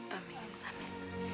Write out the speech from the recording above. taubat kalian akan diterima gusti allah